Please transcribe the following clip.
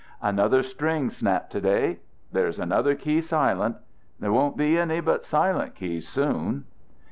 "Another string snapped to day. There's another key silent. There won't be any but silent keys soon."